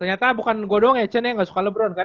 ternyata bukan gue doang ya chen yang gak suka lebron kan